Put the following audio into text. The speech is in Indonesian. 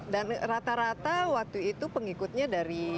dan rata rata waktu itu pengikutnya dari